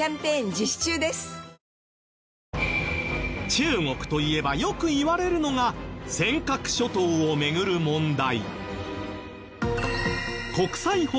中国といえばよく言われるのが尖閣諸島を巡る問題。